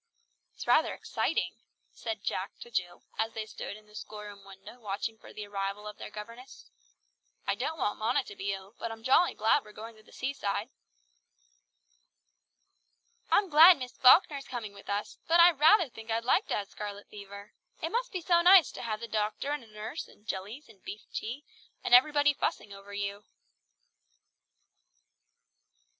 "It's rather exciting!" said Jack to Jill as they stood at the school room window watching for the arrival of their governess. "I don't want Mona to be ill, but I'm jolly glad we're going to the seaside." "I'm glad Miss Falkner is coming with us, but I rather think I'd like to have scarlet fever. It must be so nice to have the doctor and a nurse, and jellies and beef tea, and everybody fussing over you."